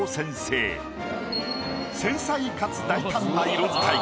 繊細かつ大胆な色使い。